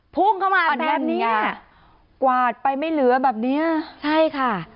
พุ่งเข้ามาแบบเนี้ยกวาดไปไม่เหลือแบบเนี้ยใช่ค่ะ